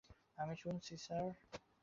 আমি শুনছি, স্যার।